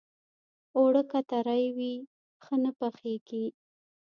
اوړه که ترۍ وي، ښه نه پخېږي